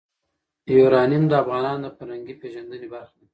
یورانیم د افغانانو د فرهنګي پیژندنې برخه ده.